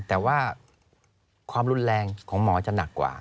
แต่ว่าความรุนแรงของหมอจะหนักกว่า